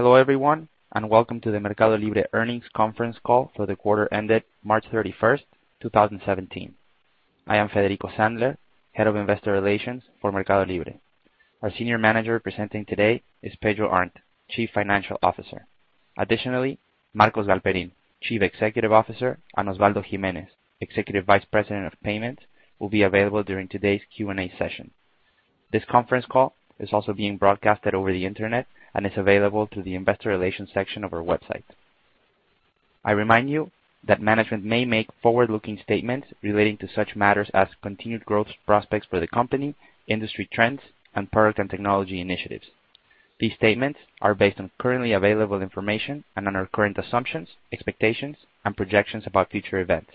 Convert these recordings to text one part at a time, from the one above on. Hello, everyone, welcome to the MercadoLibre earnings conference call for the quarter ended March 31st, 2017. I am Federico Sandler, Head of Investor Relations for MercadoLibre. Our Senior Manager presenting today is Pedro Arnt, Chief Financial Officer. Additionally, Marcos Galperin, Chief Executive Officer, and Osvaldo Giménez, Executive Vice President of Payments, will be available during today's Q&A session. This conference call is also being broadcasted over the internet and is available through the investor relations section of our website. I remind you that management may make forward-looking statements relating to such matters as continued growth prospects for the company, industry trends, and product and technology initiatives. These statements are based on currently available information and on our current assumptions, expectations, and projections about future events.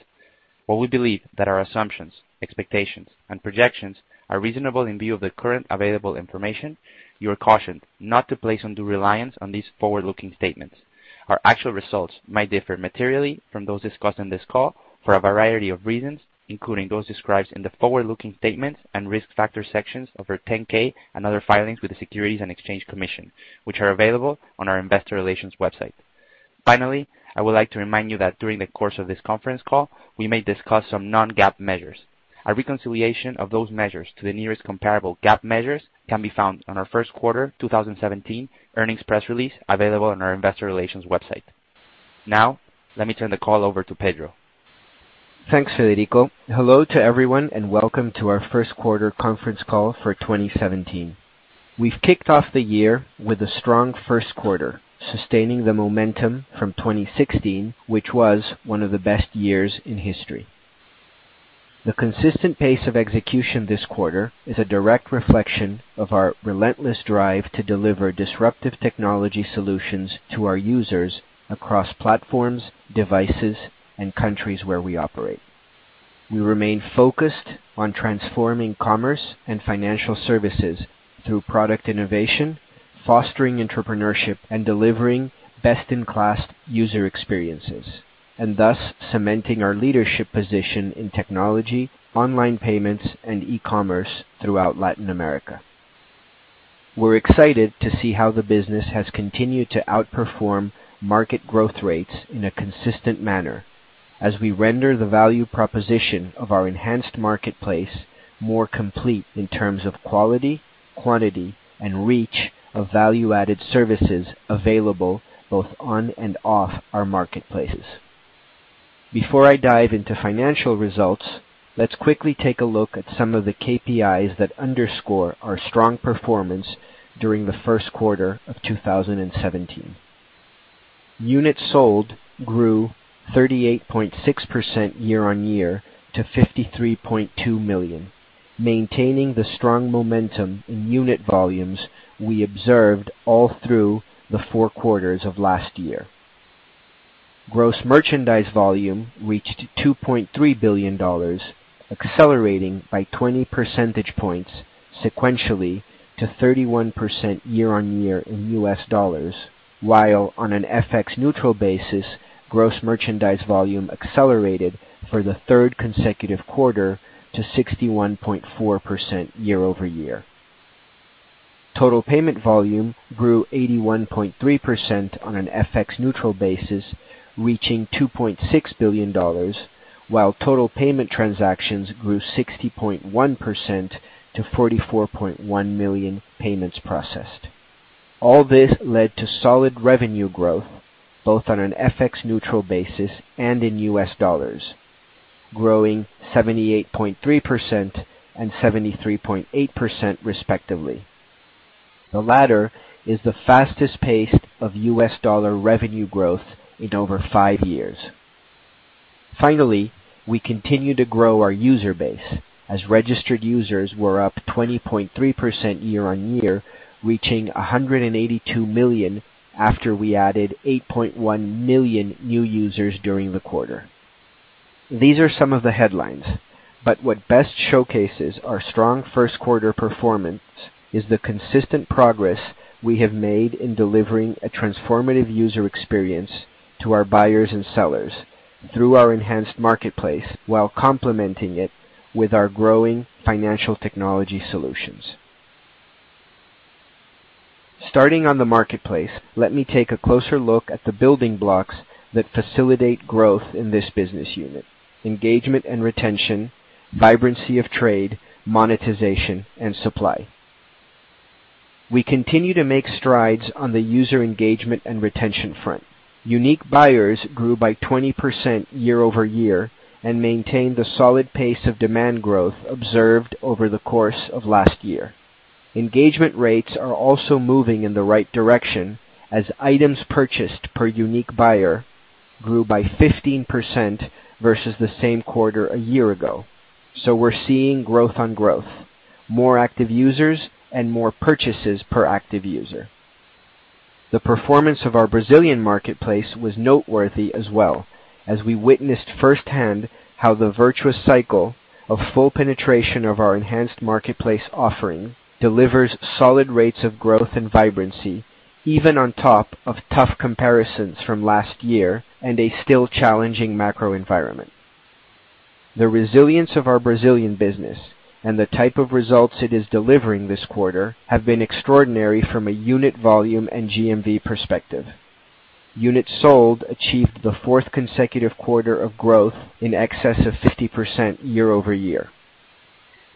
While we believe that our assumptions, expectations, and projections are reasonable in view of the current available information, you are cautioned not to place undue reliance on these forward-looking statements. Our actual results may differ materially from those discussed on this call for a variety of reasons, including those described in the forward-looking statements and risk factor sections of our 10-K and other filings with the Securities and Exchange Commission, which are available on our investor relations website. Finally, I would like to remind you that during the course of this conference call, we may discuss some non-GAAP measures. A reconciliation of those measures to the nearest comparable GAAP measures can be found on our first quarter 2017 earnings press release available on our investor relations website. Let me turn the call over to Pedro. Thanks, Federico. Hello to everyone, welcome to our first quarter conference call for 2017. We've kicked off the year with a strong first quarter, sustaining the momentum from 2016, which was one of the best years in history. The consistent pace of execution this quarter is a direct reflection of our relentless drive to deliver disruptive technology solutions to our users across platforms, devices, and countries where we operate. We remain focused on transforming commerce and financial services through product innovation, fostering entrepreneurship, and delivering best-in-class user experiences, thus cementing our leadership position in technology, online payments, and e-commerce throughout Latin America. We're excited to see how the business has continued to outperform market growth rates in a consistent manner as we render the value proposition of our enhanced marketplace more complete in terms of quality, quantity, and reach of value-added services available both on and off our marketplaces. Before I dive into financial results, let's quickly take a look at some of the KPIs that underscore our strong performance during the first quarter of 2017. Units sold grew 38.6% year-on-year to 53.2 million, maintaining the strong momentum in unit volumes we observed all through the four quarters of last year. Gross merchandise volume reached $2.3 billion, accelerating by 20 percentage points sequentially to 31% year-on-year in US dollars, while on an FX neutral basis, Gross merchandise volume accelerated for the third consecutive quarter to 61.4% year-over-year. Total payment volume grew 81.3% on an FX-neutral basis, reaching $2.6 billion, while total payment transactions grew 60.1% to 44.1 million payments processed. All this led to solid revenue growth, both on an FX-neutral basis and in US dollars, growing 78.3% and 73.8% respectively. The latter is the fastest pace of US dollar revenue growth in over five years. Finally, we continue to grow our user base, as registered users were up 20.3% year-on-year, reaching 182 million after we added 8.1 million new users during the quarter. These are some of the headlines, what best showcases our strong first quarter performance is the consistent progress we have made in delivering a transformative user experience to our buyers and sellers through our enhanced marketplace while complementing it with our growing financial technology solutions. Starting on the marketplace, let me take a closer look at the building blocks that facilitate growth in this business unit: engagement and retention, vibrancy of trade, monetization, and supply. We continue to make strides on the user engagement and retention front. Unique buyers grew by 20% year-over-year and maintained the solid pace of demand growth observed over the course of last year. Engagement rates are also moving in the right direction as items purchased per unique buyer grew by 15% versus the same quarter a year ago. We're seeing growth on growth, more active users, and more purchases per active user. The performance of our Brazilian marketplace was noteworthy as well as we witnessed firsthand how the virtuous cycle of full penetration of our enhanced marketplace offering delivers solid rates of growth and vibrancy, even on top of tough comparisons from last year and a still challenging macro environment. The resilience of our Brazilian business and the type of results it is delivering this quarter have been extraordinary from a unit volume and GMV perspective. Units sold achieved the fourth consecutive quarter of growth in excess of 50% year-over-year.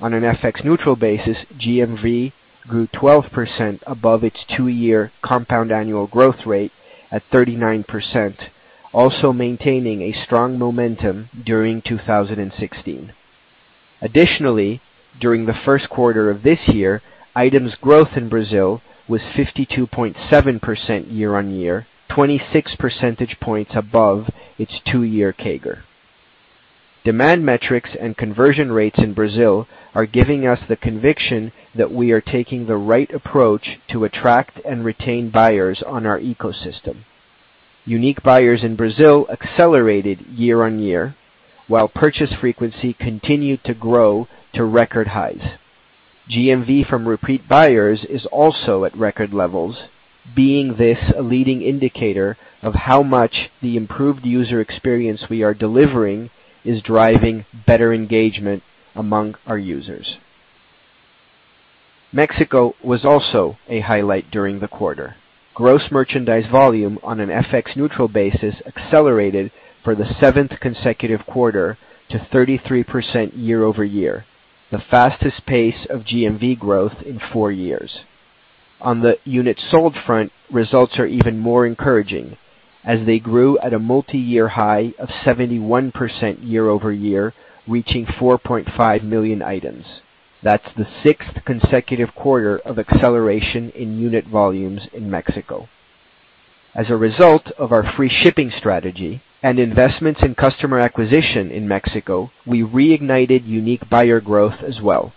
On an FX-neutral basis, GMV grew 12% above its two-year compound annual growth rate at 39%, also maintaining a strong momentum during 2016. Additionally, during the first quarter of this year, items growth in Brazil was 52.7% year-on-year, 26 percentage points above its two-year CAGR. Demand metrics and conversion rates in Brazil are giving us the conviction that we are taking the right approach to attract and retain buyers on our ecosystem. Unique buyers in Brazil accelerated year-on-year, while purchase frequency continued to grow to record highs. GMV from repeat buyers is also at record levels, being this a leading indicator of how much the improved user experience we are delivering is driving better engagement among our users. Mexico was also a highlight during the quarter. Gross merchandise volume on an FX-neutral basis accelerated for the seventh consecutive quarter to 33% year-over-year, the fastest pace of GMV growth in four years. On the units sold front, results are even more encouraging as they grew at a multi-year high of 71% year-over-year, reaching 4.5 million items. That's the sixth consecutive quarter of acceleration in unit volumes in Mexico. As a result of our free shipping strategy and investments in customer acquisition in Mexico, we reignited unique buyer growth as well.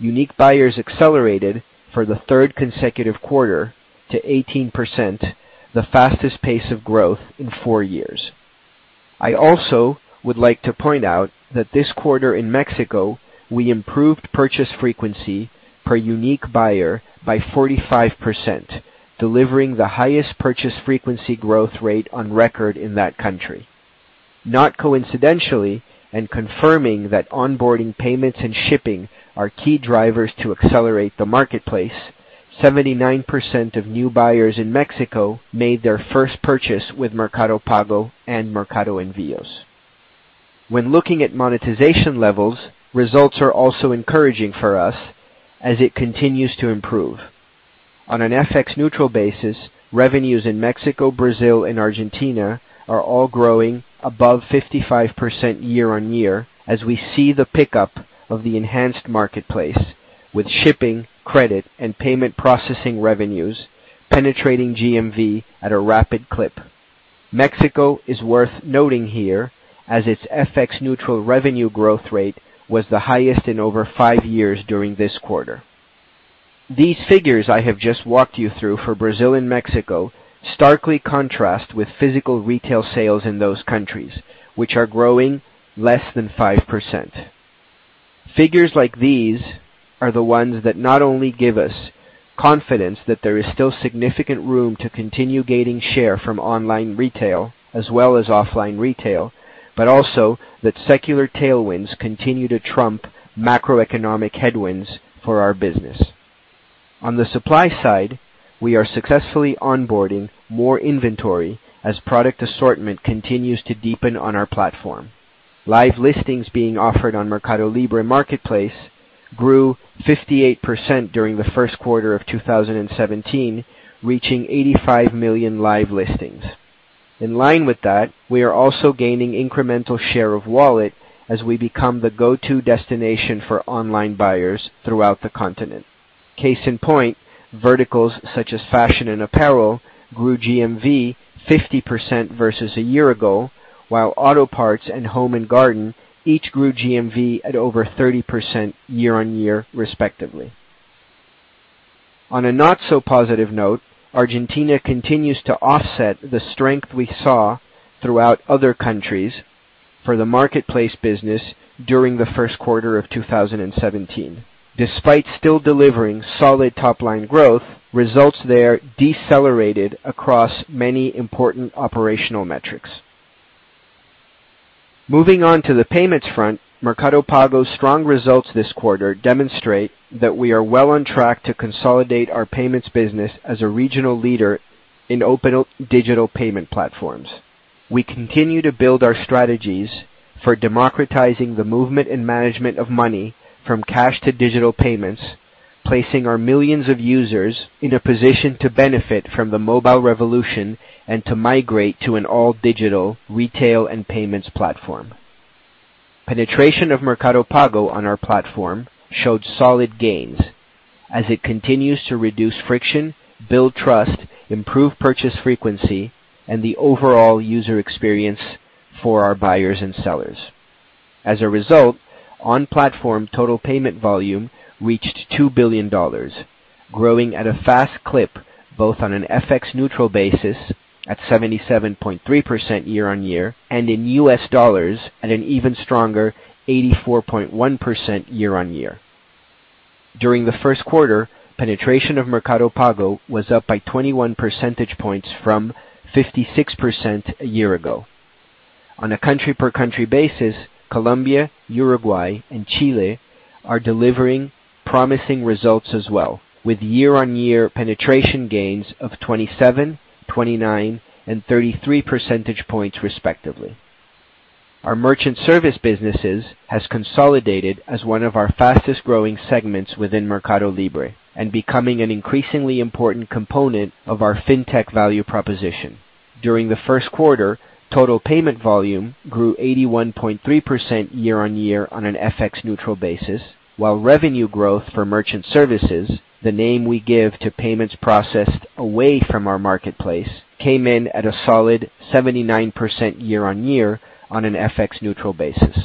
Unique buyers accelerated for the third consecutive quarter to 18%, the fastest pace of growth in four years. I also would like to point out that this quarter in Mexico, we improved purchase frequency per unique buyer by 45%, delivering the highest purchase frequency growth rate on record in that country. Not coincidentally, and confirming that onboarding payments and shipping are key drivers to accelerate the marketplace, 79% of new buyers in Mexico made their first purchase with Mercado Pago and Mercado Envios. When looking at monetization levels, results are also encouraging for us as it continues to improve. On an FX-neutral basis, revenues in Mexico, Brazil, and Argentina are all growing above 55% year-on-year as we see the pickup of the enhanced marketplace, with shipping, credit, and payment processing revenues penetrating GMV at a rapid clip. Mexico is worth noting here as its FX-neutral revenue growth rate was the highest in over five years during this quarter. These figures I have just walked you through for Brazil and Mexico starkly contrast with physical retail sales in those countries, which are growing less than 5%. Figures like these are the ones that not only give us confidence that there is still significant room to continue gaining share from online retail as well as offline retail, but also that secular tailwinds continue to trump macroeconomic headwinds for our business. On the supply side, we are successfully onboarding more inventory as product assortment continues to deepen on our platform. Live listings being offered on MercadoLibre Marketplace grew 58% during the first quarter of 2017, reaching 85 million live listings. In line with that, we are also gaining incremental share of wallet as we become the go-to destination for online buyers throughout the continent. Case in point, verticals such as fashion and apparel grew GMV 50% versus a year ago, while auto parts and home and garden each grew GMV at over 30% year-on-year respectively. On a not-so-positive note, Argentina continues to offset the strength we saw throughout other countries for the marketplace business during the first quarter of 2017. Despite still delivering solid top-line growth, results there decelerated across many important operational metrics. Moving on to the payments front, Mercado Pago's strong results this quarter demonstrate that we are well on track to consolidate our payments business as a regional leader in open digital payment platforms. We continue to build our strategies for democratizing the movement and management of money from cash to digital payments, placing our millions of users in a position to benefit from the mobile revolution and to migrate to an all-digital retail and payments platform. Penetration of Mercado Pago on our platform showed solid gains as it continues to reduce friction, build trust, improve purchase frequency, and the overall user experience for our buyers and sellers. As a result, on-platform total payment volume reached $2 billion, growing at a fast clip, both on an FX-neutral basis at 77.3% year-on-year and in US dollars at an even stronger 84.1% year-on-year. During the first quarter, penetration of Mercado Pago was up by 21 percentage points from 56% a year ago. On a country-per-country basis, Colombia, Uruguay, and Chile are delivering promising results as well, with year-on-year penetration gains of 27, 29, and 33 percentage points respectively. Our merchant service businesses has consolidated as one of our fastest-growing segments within MercadoLibre and becoming an increasingly important component of our fintech value proposition. During the first quarter, total payment volume grew 81.3% year-on-year on an FX neutral basis, while revenue growth for merchant services, the name we give to payments processed away from our marketplace, came in at a solid 79% year-on-year on an FX neutral basis.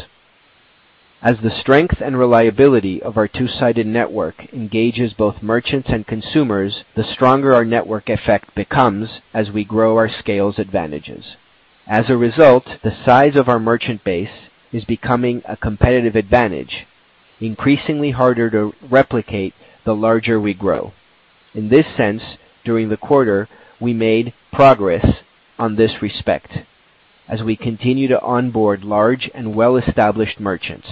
As the strength and reliability of our two-sided network engages both merchants and consumers, the stronger our network effect becomes as we grow our scales advantages. As a result, the size of our merchant base is becoming a competitive advantage, increasingly harder to replicate the larger we grow. In this sense, during the quarter, we made progress on this respect as we continue to onboard large and well-established merchants.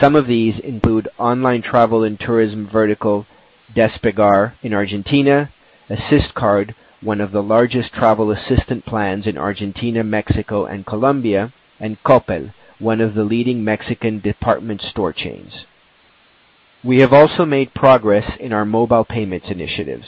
Some of these include online travel and tourism vertical, Despegar in Argentina; Assist Card, one of the largest travel assistant plans in Argentina, Mexico, and Colombia; and Coppel, one of the leading Mexican department store chains. We have also made progress in our mobile payments initiatives.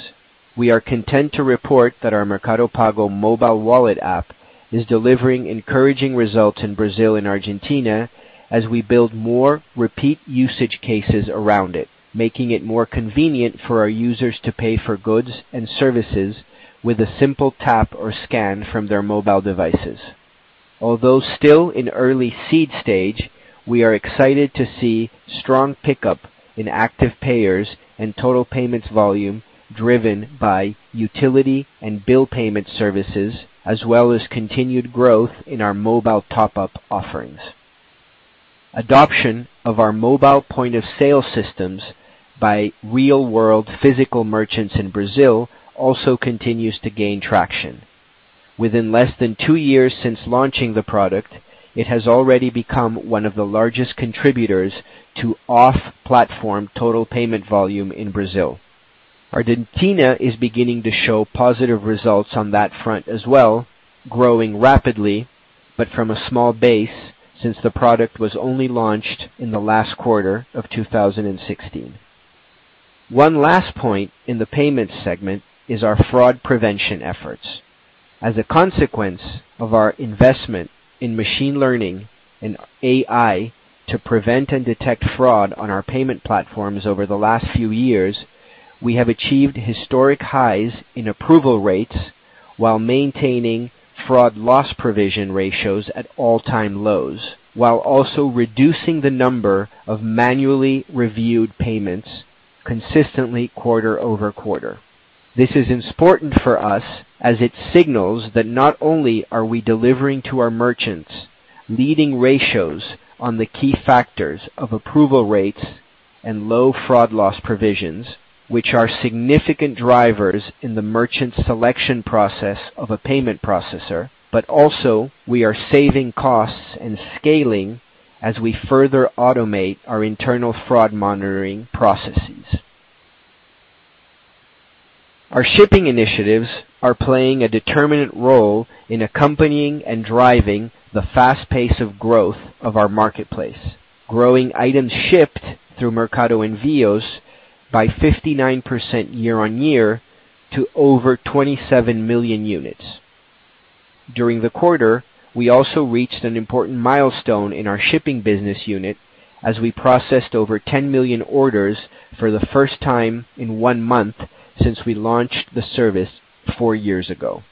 We are content to report that our Mercado Pago mobile wallet app is delivering encouraging results in Brazil and Argentina as we build more repeat usage cases around it, making it more convenient for our users to pay for goods and services with a simple tap or scan from their mobile devices. Although still in early seed stage, we are excited to see strong pickup in active payers and total payments volume driven by utility and bill payment services, as well as continued growth in our mobile top-up offerings. Adoption of our mobile point-of-sale systems by real-world physical merchants in Brazil also continues to gain traction. Within less than two years since launching the product, it has already become one of the largest contributors to off-platform total payment volume in Brazil. Argentina is beginning to show positive results on that front as well, growing rapidly, but from a small base since the product was only launched in the last quarter of 2016. One last point in the payments segment is our fraud prevention efforts. As a consequence of our investment in machine learning and AI to prevent and detect fraud on our payment platforms over the last few years, we have achieved historic highs in approval rates while maintaining fraud loss provision ratios at all-time lows, while also reducing the number of manually reviewed payments consistently quarter-over-quarter. This is important for us as it signals that not only are we delivering to our merchants leading ratios on the key factors of approval rates and low fraud loss provisions, which are significant drivers in the merchant selection process of a payment processor, but also, we are saving costs and scaling as we further automate our internal fraud monitoring processes. Our shipping initiatives are playing a determinant role in accompanying and driving the fast pace of growth of our marketplace, growing items shipped through Mercado Envios by 59% year-on-year to over 27 million units. During the quarter, we also reached an important milestone in our shipping business unit as we processed over 10 million orders for the first time in one month since we launched the service four years ago.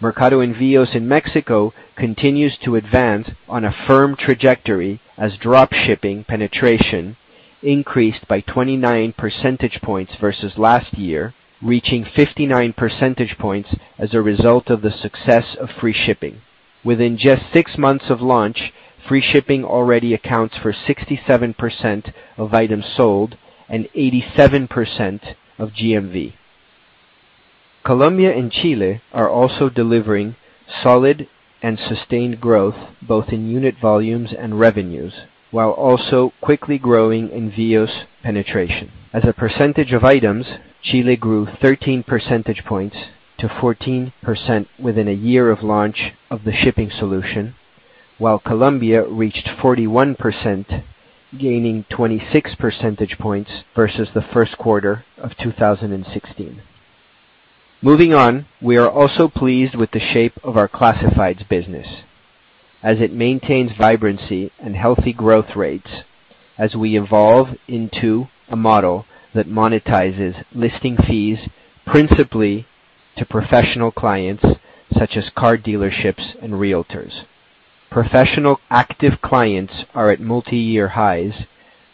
Mercado Envios in Mexico continues to advance on a firm trajectory as drop shipping penetration increased by 29 percentage points versus last year, reaching 59 percentage points as a result of the success of free shipping. Within just six months of launch, free shipping already accounts for 67% of items sold and 87% of GMV. Colombia and Chile are also delivering solid and sustained growth, both in unit volumes and revenues, while also quickly growing Envios penetration. As a percentage of items, Chile grew 13 percentage points to 14% within a year of launch of the shipping solution, while Colombia reached 41%, gaining 26 percentage points versus the first quarter of 2016. Moving on, we are also pleased with the shape of our classifieds business as it maintains vibrancy and healthy growth rates as we evolve into a model that monetizes listing fees principally to professional clients such as car dealerships and realtors. Professional active clients are at multi-year highs,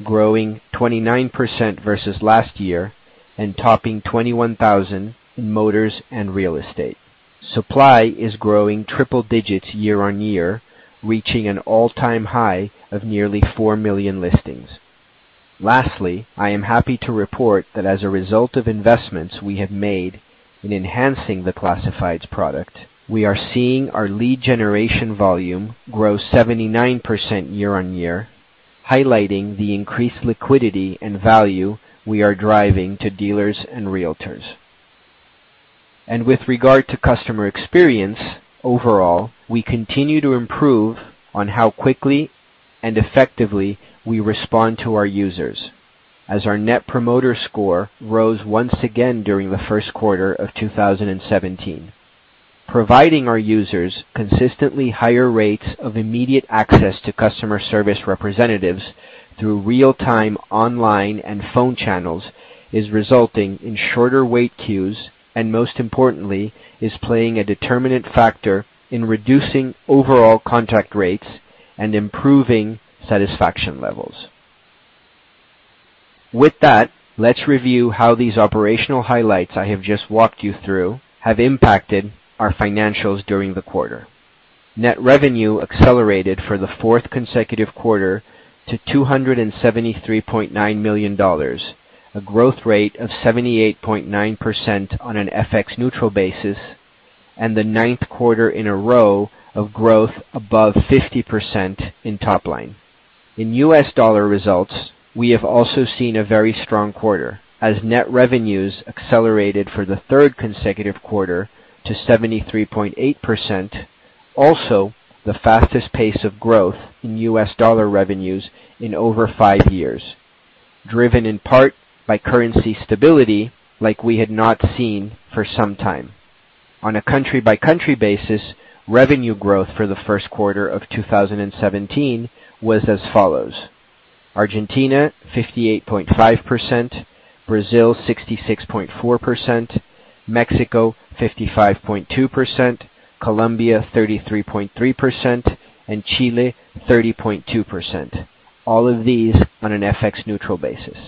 growing 29% versus last year and topping 21,000 in motors and real estate. Supply is growing triple digits year-on-year, reaching an all-time high of nearly four million listings. Lastly, I am happy to report that as a result of investments we have made in enhancing the classifieds product, we are seeing our lead generation volume grow 79% year-on-year, highlighting the increased liquidity and value we are driving to dealers and realtors. With regard to customer experience, overall, we continue to improve on how quickly and effectively we respond to our users, as our net promoter score rose once again during the first quarter of 2017. Providing our users consistently higher rates of immediate access to customer service representatives through real-time online and phone channels is resulting in shorter wait queues, and most importantly, is playing a determinant factor in reducing overall contact rates and improving satisfaction levels. With that, let's review how these operational highlights I have just walked you through have impacted our financials during the quarter. Net revenue accelerated for the fourth consecutive quarter to $273.9 million, a growth rate of 78.9% on an FX-neutral basis, and the ninth quarter in a row of growth above 50% in top line. In U.S. dollar results, we have also seen a very strong quarter, as net revenues accelerated for the third consecutive quarter to 73.8%, also the fastest pace of growth in U.S. dollar revenues in over five years, driven in part by currency stability like we had not seen for some time. On a country-by-country basis, revenue growth for the first quarter of 2017 was as follows. Argentina, 58.5%, Brazil, 66.4%, Mexico, 55.2%, Colombia, 33.3%, and Chile, 30.2%. All of these on an FX-neutral basis.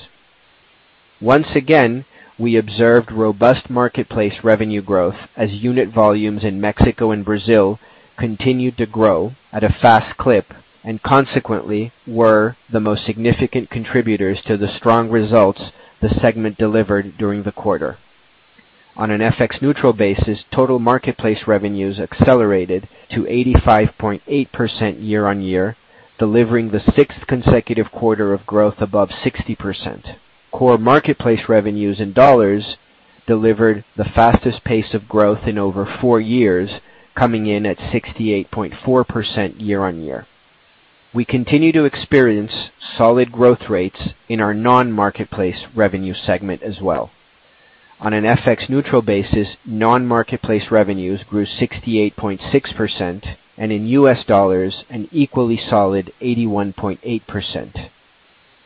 Once again, we observed robust marketplace revenue growth as unit volumes in Mexico and Brazil continued to grow at a fast clip, and consequently were the most significant contributors to the strong results the segment delivered during the quarter. On an FX-neutral basis, total marketplace revenues accelerated to 85.8% year-on-year, delivering the sixth consecutive quarter of growth above 60%. Core marketplace revenues in dollars delivered the fastest pace of growth in over four years, coming in at 68.4% year-on-year. We continue to experience solid growth rates in our non-marketplace revenue segment as well. On an FX-neutral basis, non-marketplace revenues grew 68.6%, and in U.S. dollars, an equally solid 81.8%.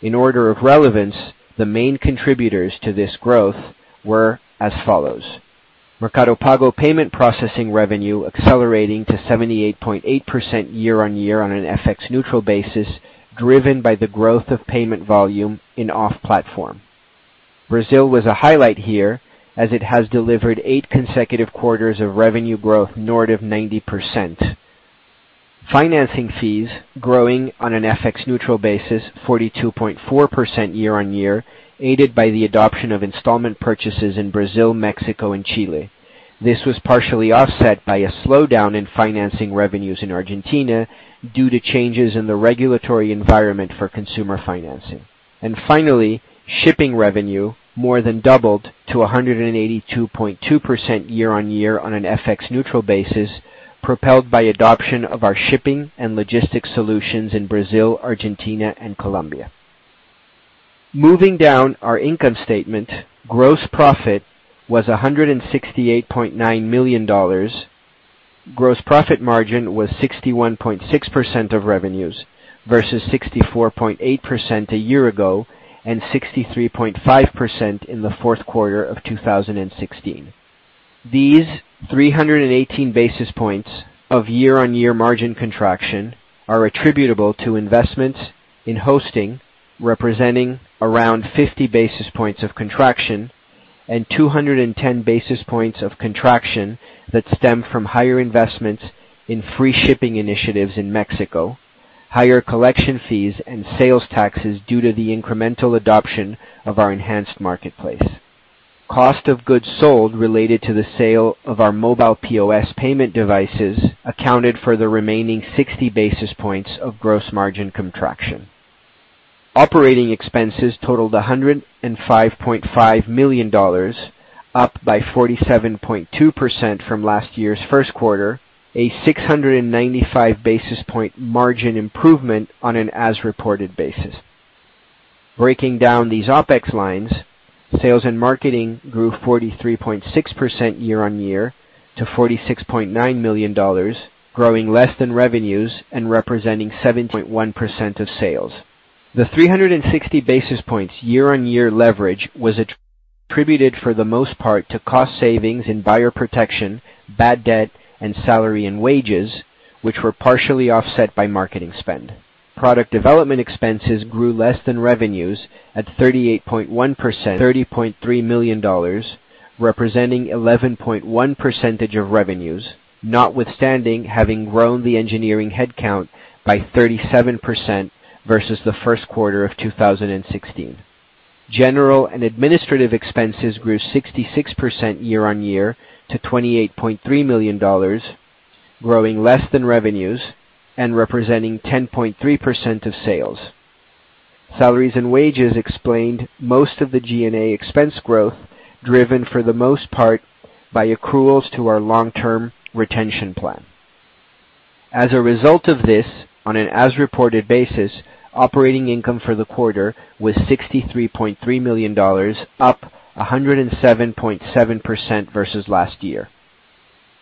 In order of relevance, the main contributors to this growth were as follows. Mercado Pago payment processing revenue accelerating to 78.8% year-on-year on an FX-neutral basis, driven by the growth of payment volume in off-platform. Brazil was a highlight here, as it has delivered eight consecutive quarters of revenue growth north of 90%. Financing fees growing on an FX-neutral basis 42.4% year-on-year, aided by the adoption of installment purchases in Brazil, Mexico, and Chile. This was partially offset by a slowdown in financing revenues in Argentina due to changes in the regulatory environment for consumer financing. Finally, shipping revenue more than doubled to 182.2% year-on-year on an FX-neutral basis, propelled by adoption of our shipping and logistics solutions in Brazil, Argentina, and Colombia. Moving down our income statement, gross profit was $168.9 million. Gross profit margin was 61.6% of revenues versus 64.8% a year ago and 63.5% in the fourth quarter of 2016. These 318 basis points of year-on-year margin contraction are attributable to investments in hosting, representing around 50 basis points of contraction and 210 basis points of contraction that stem from higher investments in free shipping initiatives in Mexico, higher collection fees, and sales taxes due to the incremental adoption of our enhanced marketplace. Cost of goods sold related to the sale of our mobile POS payment devices accounted for the remaining 60 basis points of gross margin contraction. Operating expenses totaled $105.5 million, up by 47.2% from last year's first quarter, a 695 basis point margin improvement on an as-reported basis. Breaking down these OPEX lines, sales and marketing grew 43.6% year-on-year to $46.9 million, growing less than revenues and representing 17.1% of sales. The 360 basis points year-on-year leverage was attributed for the most part to cost savings in buyer protection, bad debt, and salary and wages, which were partially offset by marketing spend. Product development expenses grew less than revenues at 38.1%, $30.3 million, representing 11.1% of revenues, notwithstanding having grown the engineering headcount by 37% versus the first quarter of 2016. General and administrative expenses grew 66% year-on-year to $28.3 million, growing less than revenues and representing 10.3% of sales. Salaries and wages explained most of the G&A expense growth, driven for the most part by accruals to our long-term retention plan. As a result of this, on an as-reported basis, operating income for the quarter was $63.3 million, up 107.7% versus last year.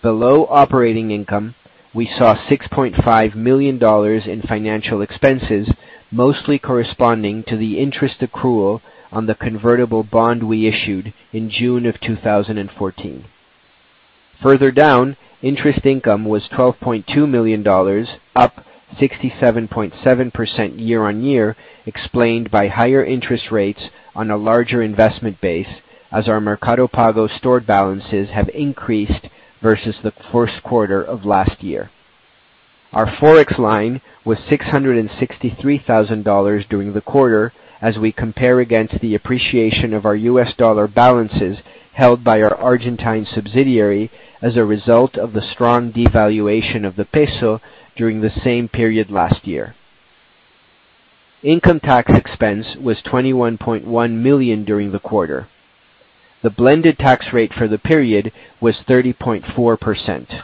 Below operating income, we saw $6.5 million in financial expenses, mostly corresponding to the interest accrual on the convertible bond we issued in June of 2014. Further down, interest income was $12.2 million, up 67.7% year-on-year, explained by higher interest rates on a larger investment base as our Mercado Pago stored balances have increased versus the first quarter of last year. Our Forex line was $663,000 during the quarter as we compare against the appreciation of our US dollar balances held by our Argentine subsidiary as a result of the strong devaluation of the peso during the same period last year. Income tax expense was $21.1 million during the quarter. The blended tax rate for the period was 30.4%.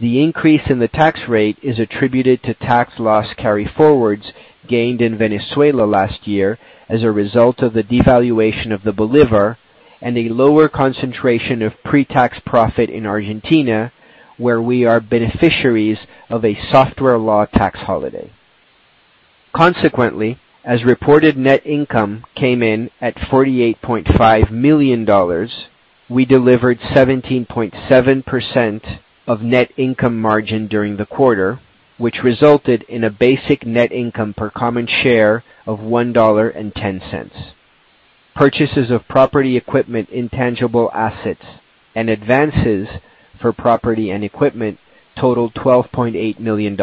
The increase in the tax rate is attributed to tax loss carryforwards gained in Venezuela last year as a result of the devaluation of the bolivar, and a lower concentration of pre-tax profit in Argentina, where we are beneficiaries of a software law tax holiday. Consequently, as reported net income came in at $48.5 million, we delivered 17.7% of net income margin during the quarter, which resulted in a basic net income per common share of $1.10. Purchases of property equipment, intangible assets, and advances for property and equipment totaled $12.8 million.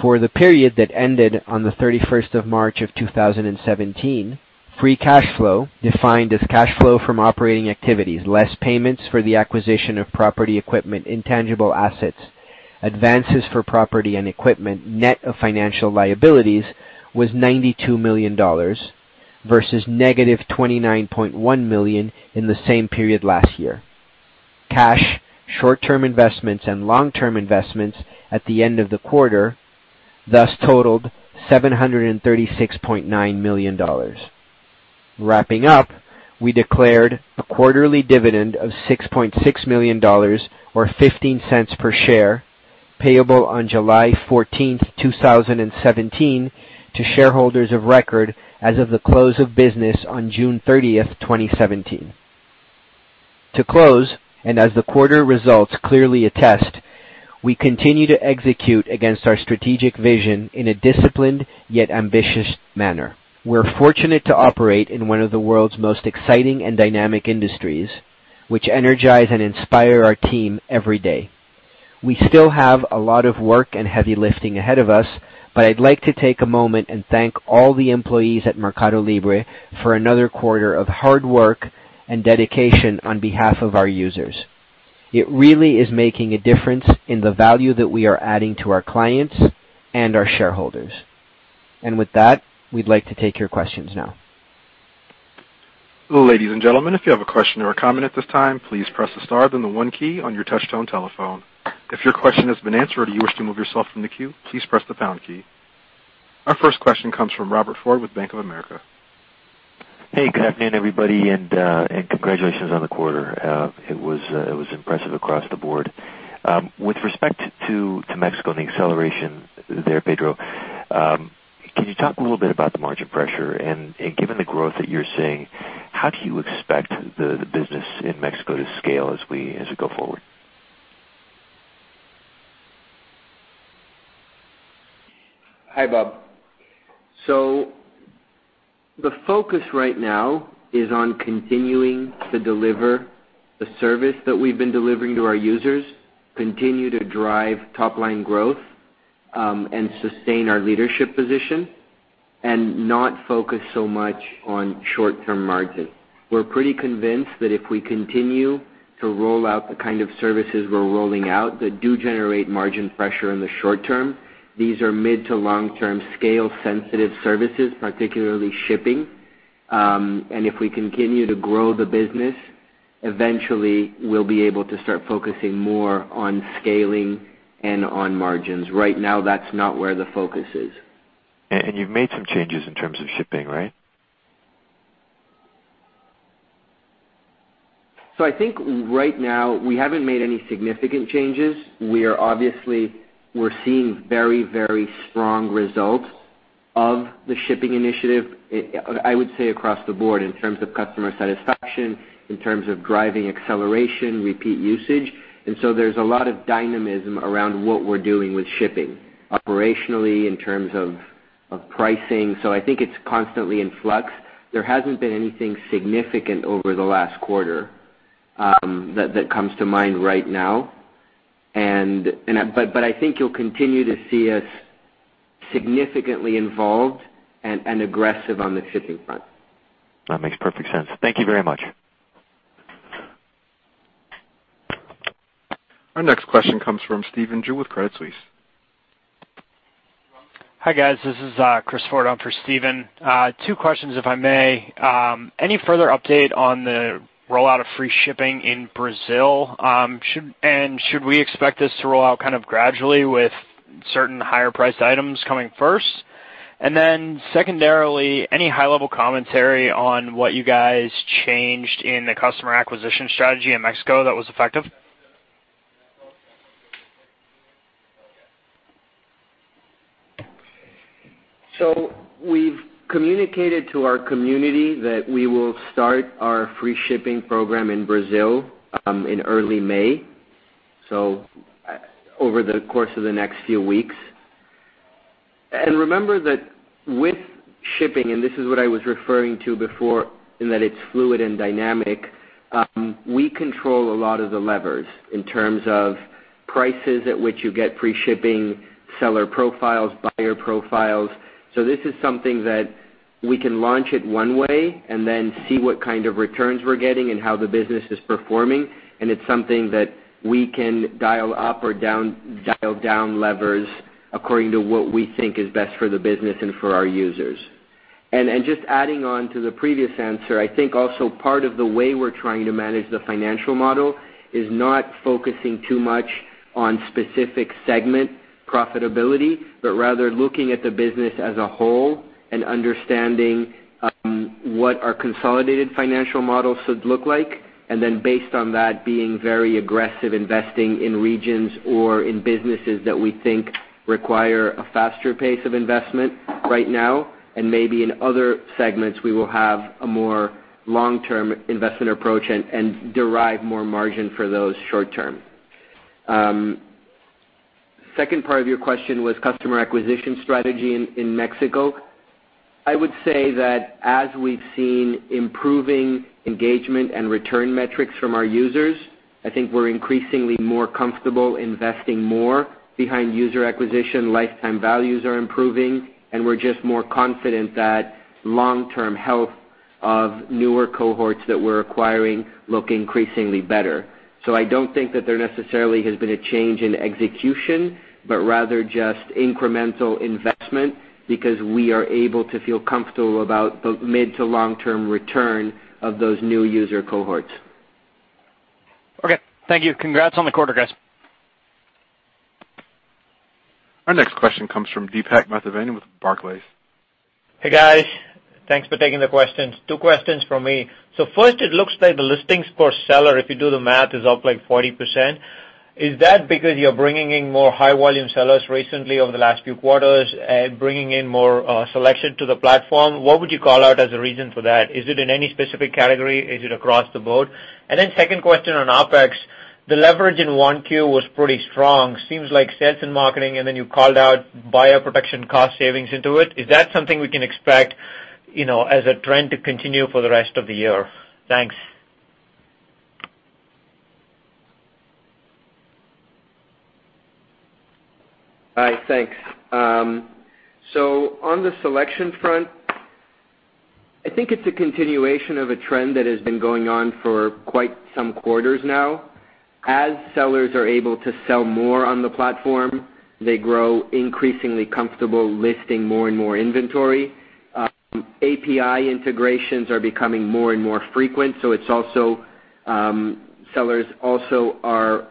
For the period that ended on the 31st of March of 2017, free cash flow, defined as cash flow from operating activities, less payments for the acquisition of property equipment, intangible assets, advances for property and equipment, net of financial liabilities, was $92 million, versus negative $29.1 million in the same period last year. Cash, short-term investments, and long-term investments at the end of the quarter thus totaled $736.9 million. Wrapping up, we declared a quarterly dividend of $6.6 million, or $0.15 per share, payable on July 14th, 2017, to shareholders of record as of the close of business on June 30th, 2017. To close, as the quarter results clearly attest, we continue to execute against our strategic vision in a disciplined yet ambitious manner. We're fortunate to operate in one of the world's most exciting and dynamic industries, which energize and inspire our team every day. We still have a lot of work and heavy lifting ahead of us, I'd like to take a moment and thank all the employees at MercadoLibre for another quarter of hard work and dedication on behalf of our users. It really is making a difference in the value that we are adding to our clients and our shareholders. With that, we'd like to take your questions now. Ladies and gentlemen, if you have a question or a comment at this time, please press the star, the one key on your touch tone telephone. If your question has been answered or you wish to remove yourself from the queue, please press the pound key. Our first question comes from Robert Ford with Bank of America. Good afternoon, everybody, and congratulations on the quarter. It was impressive across the board. With respect to Mexico and the acceleration there, Pedro, can you talk a little bit about the margin pressure? Given the growth that you're seeing, how do you expect the business in Mexico to scale as we go forward? Hi, Bob. The focus right now is on continuing to deliver the service that we've been delivering to our users, continue to drive top-line growth, and sustain our leadership position, and not focus so much on short-term margin. We're pretty convinced that if we continue to roll out the kind of services we're rolling out that do generate margin pressure in the short term, these are mid to long-term scale sensitive services, particularly shipping. If we continue to grow the business, eventually we'll be able to start focusing more on scaling and on margins. Right now, that's not where the focus is. You've made some changes in terms of shipping, right? I think right now we haven't made any significant changes. We're seeing very strong results Of the shipping initiative, I would say across the board in terms of customer satisfaction, in terms of driving acceleration, repeat usage. There's a lot of dynamism around what we're doing with shipping, operationally, in terms of pricing. I think it is constantly in flux. There hasn't been anything significant over the last quarter that comes to mind right now. I think you will continue to see us significantly involved and aggressive on the shipping front. That makes perfect sense. Thank you very much. Our next question comes from Stephen Ju with Credit Suisse. Hi, guys. This is Chris Ford on for Stephen. Two questions, if I may. Any further update on the rollout of free shipping in Brazil? Should we expect this to roll out gradually with certain higher priced items coming first? Secondarily, any high-level commentary on what you guys changed in the customer acquisition strategy in Mexico that was effective? We've communicated to our community that we will start our free shipping program in Brazil in early May, over the course of the next few weeks. Remember that with shipping, this is what I was referring to before, in that it's fluid and dynamic, we control a lot of the levers in terms of prices at which you get free shipping, seller profiles, buyer profiles. This is something that we can launch it one way and then see what kind of returns we're getting and how the business is performing, and it's something that we can dial up or dial down levers according to what we think is best for the business and for our users. Just adding on to the previous answer, I think also part of the way we're trying to manage the financial model is not focusing too much on specific segment profitability, but rather looking at the business as a whole and understanding what our consolidated financial model should look like. Then based on that, being very aggressive, investing in regions or in businesses that we think require a faster pace of investment right now. Maybe in other segments, we will have a more long-term investment approach and derive more margin for those short term. Second part of your question was customer acquisition strategy in Mexico. I would say that as we've seen improving engagement and return metrics from our users, I think we're increasingly more comfortable investing more behind user acquisition. Lifetime values are improving, and we're just more confident that long-term health of newer cohorts that we're acquiring look increasingly better. I don't think that there necessarily has been a change in execution, but rather just incremental investment because we are able to feel comfortable about the mid to long-term return of those new user cohorts. Okay. Thank you. Congrats on the quarter, guys. Our next question comes from Deepak Mathivanan with Barclays. Hey, guys. Thanks for taking the questions. Two questions from me. First, it looks like the listings per seller, if you do the math, is up like 40%. Is that because you're bringing in more high-volume sellers recently over the last few quarters and bringing in more selection to the platform? What would you call out as a reason for that? Is it in any specific category? Is it across the board? Second question on OpEx, the leverage in Q1 was pretty strong. Seems like sales and marketing, and then you called out buyer protection cost savings into it. Is that something we can expect as a trend to continue for the rest of the year? Thanks. All right. Thanks. On the selection front, I think it's a continuation of a trend that has been going on for quite some quarters now. As sellers are able to sell more on the platform, they grow increasingly comfortable listing more and more inventory. API integrations are becoming more and more frequent, sellers also are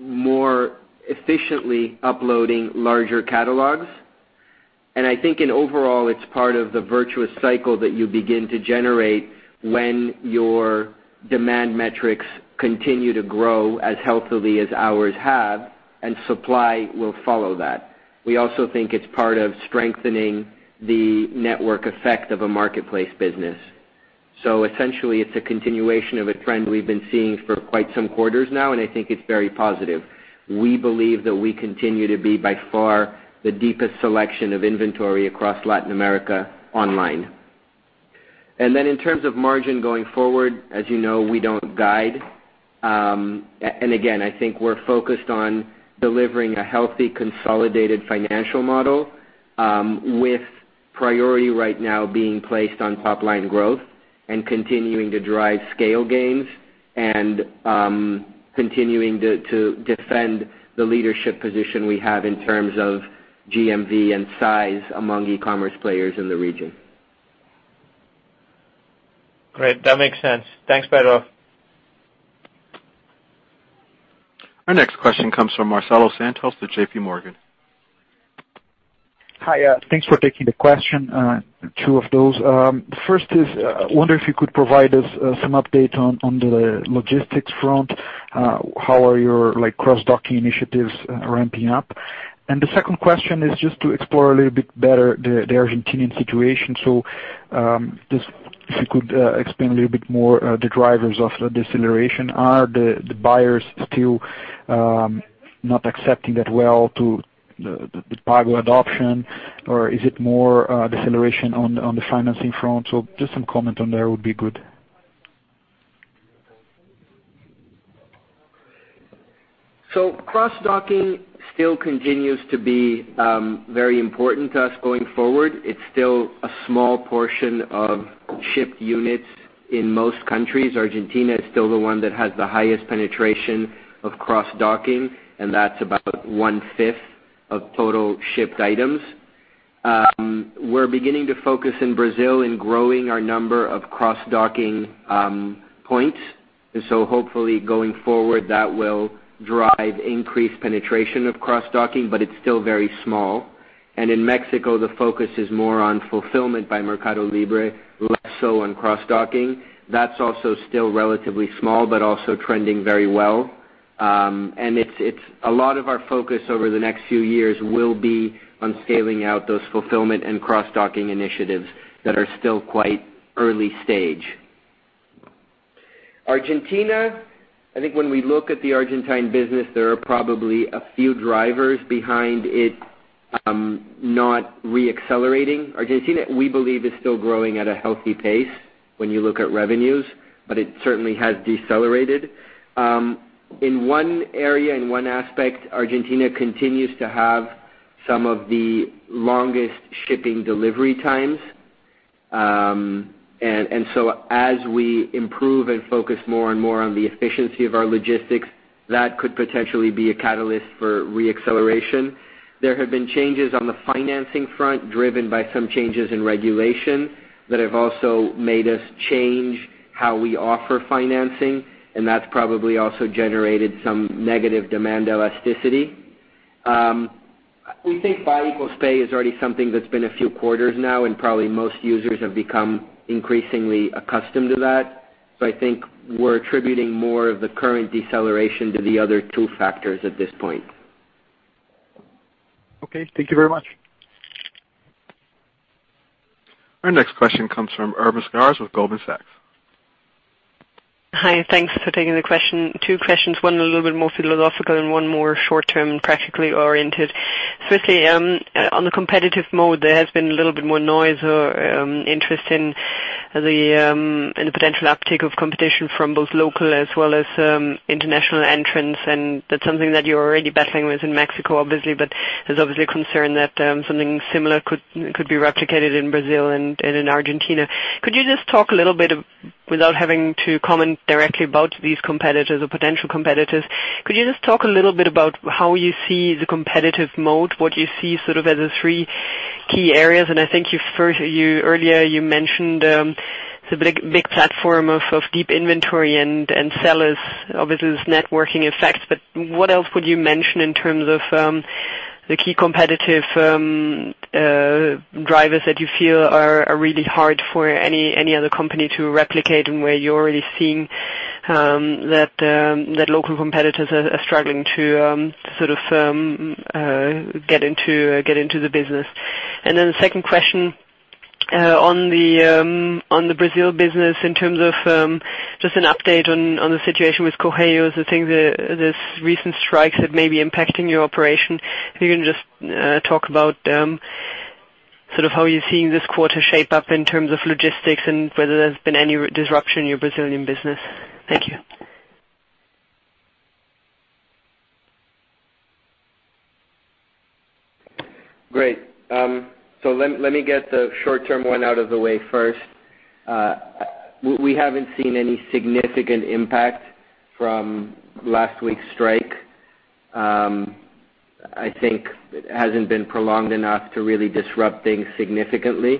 more efficiently uploading larger catalogs. I think in overall, it's part of the virtuous cycle that you begin to generate when your demand metrics continue to grow as healthily as ours have, supply will follow that. We also think it's part of strengthening the network effect of a marketplace business. Essentially, it's a continuation of a trend we've been seeing for quite some quarters now, I think it's very positive. We believe that we continue to be, by far, the deepest selection of inventory across Latin America online. In terms of margin going forward, as you know, we don't guide. Again, I think we're focused on delivering a healthy, consolidated financial model, with priority right now being placed on top line growth and continuing to drive scale gains and continuing to defend the leadership position we have in terms of GMV and size among e-commerce players in the region. Great. That makes sense. Thanks, Pedro. Our next question comes from Marcelo Santos with J.P. Morgan. Hi. Thanks for taking the question, two of those. First is, I wonder if you could provide us some update on the logistics front. How are your cross-docking initiatives ramping up? The second question is just to explore a little bit better, the Argentine situation. If you could explain a little bit more, the drivers of the deceleration. Are the buyers still not accepting that well to the Mercado Pago adoption, or is it more deceleration on the financing front? Just some comment on there would be good. Cross-docking still continues to be very important to us going forward. It's still a small portion of shipped units in most countries. Argentina is still the one that has the highest penetration of cross-docking, and that's about one fifth of total shipped items. We're beginning to focus in Brazil in growing our number of cross-docking points. Hopefully going forward, that will drive increased penetration of cross-docking, but it's still very small. In Mexico, the focus is more on fulfillment by MercadoLibre, less so on cross-docking. That's also still relatively small, but also trending very well. A lot of our focus over the next few years will be on scaling out those fulfillment and cross-docking initiatives that are still quite early stage. Argentina, I think when we look at the Argentine business, there are probably a few drivers behind it not re-accelerating. Argentina, we believe, is still growing at a healthy pace when you look at revenues, but it certainly has decelerated. In one area, in one aspect, Argentina continues to have some of the longest shipping delivery times. As we improve and focus more and more on the efficiency of our logistics, that could potentially be a catalyst for re-acceleration. There have been changes on the financing front, driven by some changes in regulation that have also made us change how we offer financing, and that's probably also generated some negative demand elasticity. We think Buy, Equal, Pay is already something that's been a few quarters now, and probably most users have become increasingly accustomed to that. I think we're attributing more of the current deceleration to the other two factors at this point. Okay, thank you very much. Our next question comes from Irma Sgarz with Goldman Sachs. Hi, thanks for taking the question. Two questions, one a little bit more philosophical and one more short-term, practically oriented. Firstly, on the competitive moat, there has been a little bit more noise or interest in the potential uptick of competition from both local as well as international entrants, that's something that you're already battling with in Mexico, obviously. There's obviously a concern that something similar could be replicated in Brazil and in Argentina. Without having to comment directly about these competitors or potential competitors, could you just talk a little bit about how you see the competitive mode, what you see sort of as the three key areas? I think earlier you mentioned the big platform of deep inventory and sellers, obviously this networking effect. What else would you mention in terms of the key competitive drivers that you feel are really hard for any other company to replicate and where you're already seeing that local competitors are struggling to sort of get into the business? The second question on the Brazil business in terms of just an update on the situation with Correios. I think this recent strikes have maybe impacting your operation. If you can just talk about sort of how you're seeing this quarter shape up in terms of logistics and whether there's been any disruption in your Brazilian business. Thank you. Great. Let me get the short-term one out of the way first. We haven't seen any significant impact from last week's strike. I think it hasn't been prolonged enough to really disrupt things significantly.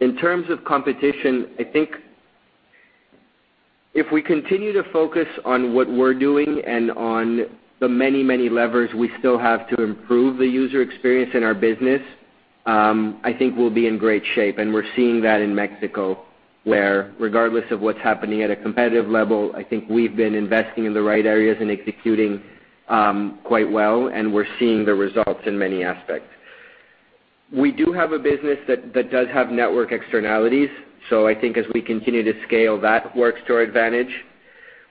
In terms of competition, I think if we continue to focus on what we're doing and on the many, many levers we still have to improve the user experience in our business, I think we'll be in great shape. We're seeing that in Mexico, where regardless of what's happening at a competitive level, I think we've been investing in the right areas and executing quite well, and we're seeing the results in many aspects. We do have a business that does have network externalities, so I think as we continue to scale, that works to our advantage.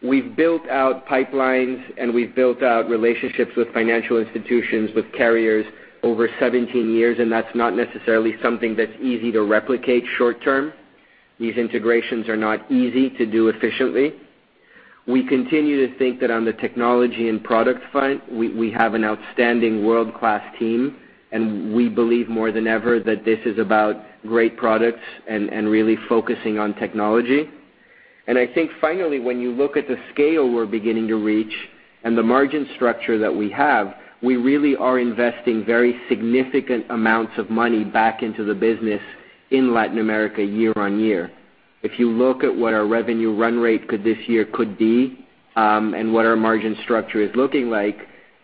We've built out pipelines and we've built out relationships with financial institutions, with carriers over 17 years, and that's not necessarily something that's easy to replicate short-term. These integrations are not easy to do efficiently. We continue to think that on the technology and product front, we have an outstanding world-class team, and we believe more than ever that this is about great products and really focusing on technology. I think finally, when you look at the scale we're beginning to reach and the margin structure that we have, we really are investing very significant amounts of money back into the business in Latin America year on year. If you look at what our revenue run rate this year could be and what our margin structure is looking like,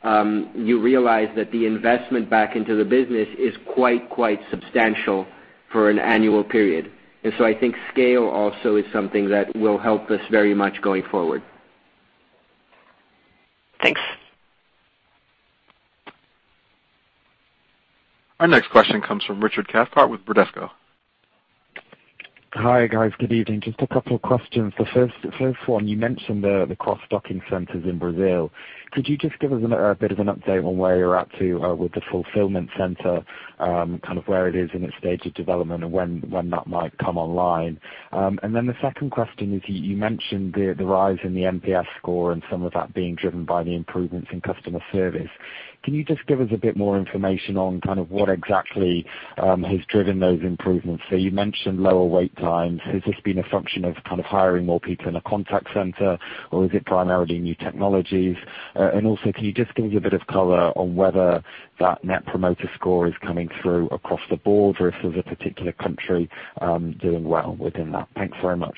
you realize that the investment back into the business is quite substantial for an annual period. I think scale also is something that will help us very much going forward. Our next question comes from Richard Cathcart with Bradesco. Hi, guys. Good evening. Just a couple questions. The first one, you mentioned the cross-docking centers in Brazil. Could you just give us a bit of an update on where you're up to with the fulfillment center, kind of where it is in its stage of development, and when that might come online? The second question is, you mentioned the rise in the NPS score and some of that being driven by the improvements in customer service. Can you just give us a bit more information on kind of what exactly has driven those improvements? You mentioned lower wait times. Has this been a function of kind of hiring more people in a contact center, or is it primarily new technologies? Also, can you just give me a bit of color on whether that net promoter score is coming through across the board or if there's a particular country doing well within that? Thanks very much.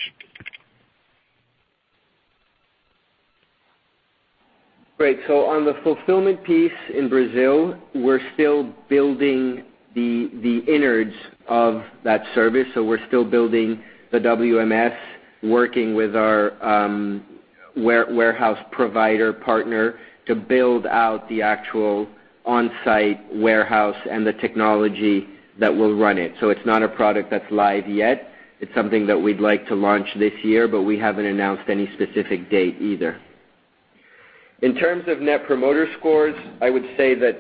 Great. On the fulfillment piece in Brazil, we're still building the innards of that service. We're still building the WMS, working with our warehouse provider partner to build out the actual on-site warehouse and the technology that will run it. It's not a product that's live yet. It's something that we'd like to launch this year, but we haven't announced any specific date either. In terms of net promoter scores, I would say that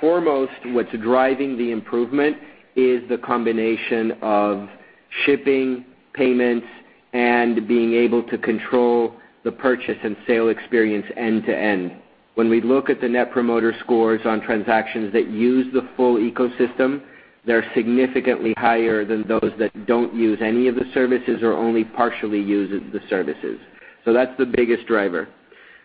foremost, what's driving the improvement is the combination of shipping, payments, and being able to control the purchase and sale experience end to end. When we look at the net promoter scores on transactions that use the full ecosystem, they're significantly higher than those that don't use any of the services or only partially use the services. That's the biggest driver.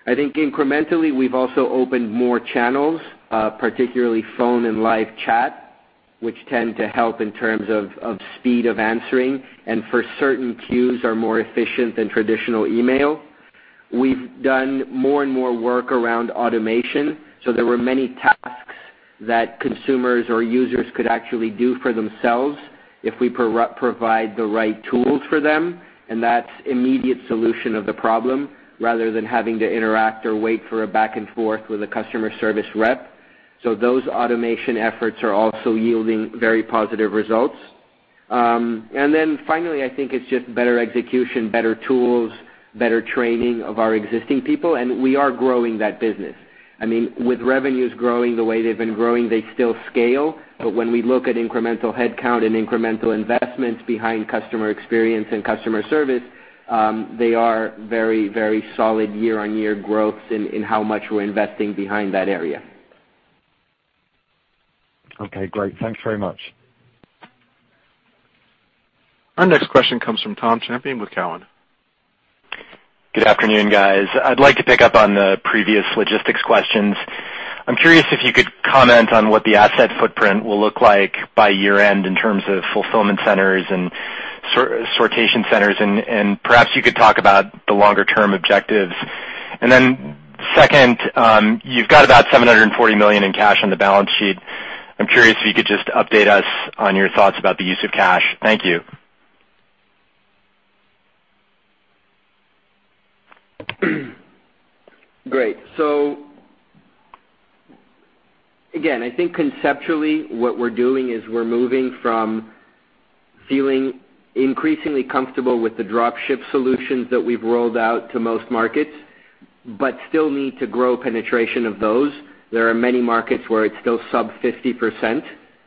I think incrementally, we've also opened more channels, particularly phone and live chat, which tend to help in terms of speed of answering and for certain queues are more efficient than traditional email. We've done more and more work around automation. There were many tasks that consumers or users could actually do for themselves if we provide the right tools for them, and that's immediate solution of the problem rather than having to interact or wait for a back and forth with a customer service rep. Those automation efforts are also yielding very positive results. Finally, I think it's just better execution, better tools, better training of our existing people, and we are growing that business. With revenues growing the way they've been growing, they still scale. When we look at incremental headcount and incremental investments behind customer experience and customer service, they are very solid year-on-year growths in how much we're investing behind that area. Okay, great. Thanks very much. Our next question comes from Tom Champion with Cowen. Good afternoon, guys. I'd like to pick up on the previous logistics questions. I'm curious if you could comment on what the asset footprint will look like by year-end in terms of fulfillment centers and sortation centers, and perhaps you could talk about the longer-term objectives. Second, you've got about $740 million in cash on the balance sheet. I'm curious if you could just update us on your thoughts about the use of cash. Thank you. Great. Again, I think conceptually what we're doing is we're moving from feeling increasingly comfortable with the drop ship solutions that we've rolled out to most markets, but still need to grow penetration of those. There are many markets where it's still sub 50%,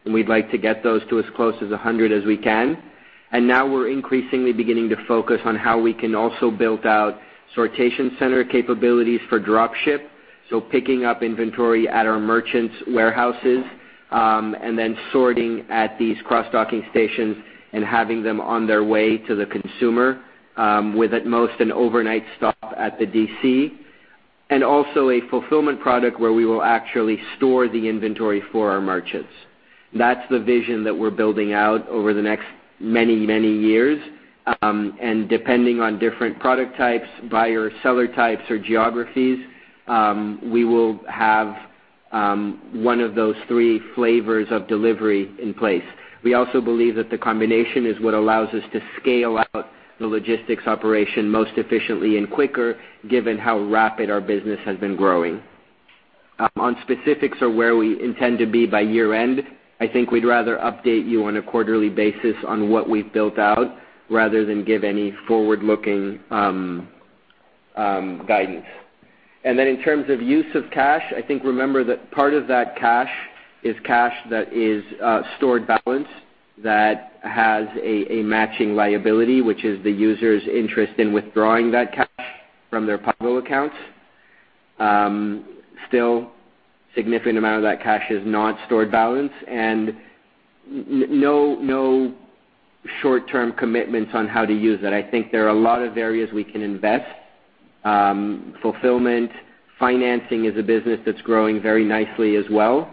and we'd like to get those to as close to 100% as we can. Now we're increasingly beginning to focus on how we can also build out sortation center capabilities for drop ship. Picking up inventory at our merchants' warehouses, and then sorting at these cross-docking stations and having them on their way to the consumer, with at most an overnight stop at the DC, and also a fulfillment product where we will actually store the inventory for our merchants. That's the vision that we're building out over the next many years. Depending on different product types, buyer or seller types, or geographies, we will have one of those three flavors of delivery in place. We also believe that the combination is what allows us to scale out the logistics operation most efficiently and quicker given how rapid our business has been growing. On specifics of where we intend to be by year-end, I think we'd rather update you on a quarterly basis on what we've built out rather than give any forward-looking guidance. In terms of use of cash, I think remember that part of that cash is cash that is stored balance that has a matching liability, which is the user's interest in withdrawing that cash from their Pago accounts. Still, a significant amount of that cash is not stored balance and no short-term commitments on how to use it. I think there are a lot of areas we can invest. Fulfillment, financing is a business that's growing very nicely as well.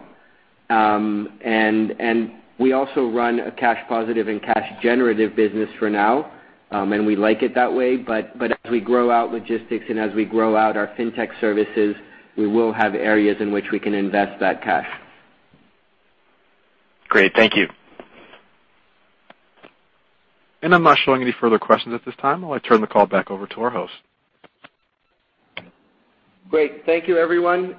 We also run a cash positive and cash generative business for now, and we like it that way. As we grow out logistics and as we grow out our fintech services, we will have areas in which we can invest that cash. Great. Thank you. I'm not showing any further questions at this time. I'll turn the call back over to our host. Great. Thank you everyone,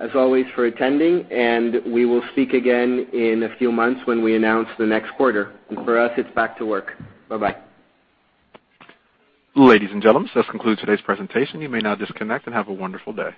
as always, for attending, and we will speak again in a few months when we announce the next quarter. For us, it's back to work. Bye-bye. Ladies and gentlemen, this concludes today's presentation. You may now disconnect, and have a wonderful day.